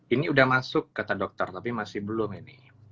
ini udah masuk kata dokter tapi masih belum ini